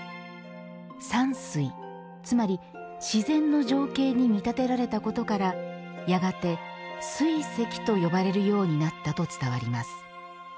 山水、つまり自然の情景に見立てられたことからやがて水石と呼ばれるようになったと伝わります。